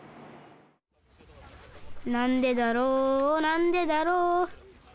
「なんでだろうなんでだろう」